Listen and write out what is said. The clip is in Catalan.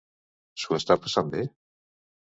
S'ho està passant bé?